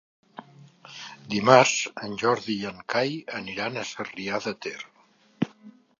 Dimarts en Jordi i en Cai aniran a Sarrià de Ter.